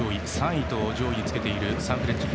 Ｊ１、３位と上位につけているサンフレッチェ